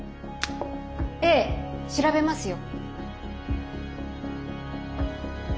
ええ調べますよ。